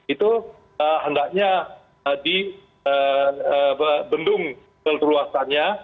itu hendaknya dibendung keleluasannya